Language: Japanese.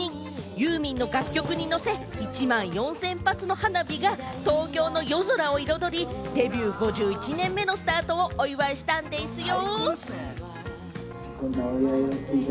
ユーミンの楽曲にのせ、１万４０００発の花火が東京の夜空を彩り、デビュー５１年目のスタートをお祝いしたんでぃすよ。